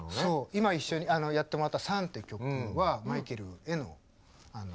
今一緒にやってもらった「ＳＵＮ」って曲はマイケルへの曲なんだよ。